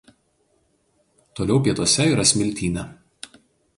Toliau pietuose yra Smiltynė.